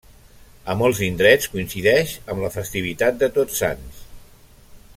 A molts indrets, coincideix amb la festivitat de Tots Sants.